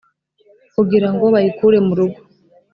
kugira ngo bayikure mu rugo